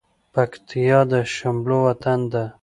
پکتيا د شملو وطن ده